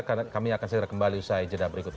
karena kami akan segera kembali usai jeda berikut ini